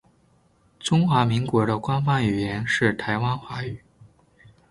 中华民国的官方语言是台湾华语。